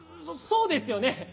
そうですよね！